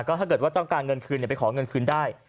ถ้าเกิดว่าต้องการเงินคืนไปขอเงินคืนได้